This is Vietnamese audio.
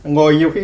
ngồi nhiều khi